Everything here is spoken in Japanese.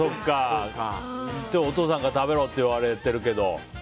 お父さんから食べろって言われてるけど？